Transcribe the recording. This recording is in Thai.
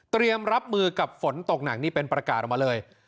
รับมือกับฝนตกหนักนี่เป็นประกาศออกมาเลย